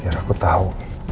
biar aku tahu